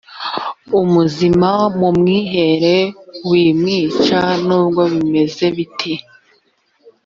umuzima mumwihere wimwica nubwo bimeze bite